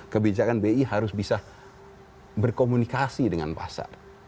kebijakan bi harus bisa berkomunikasi dengan pasar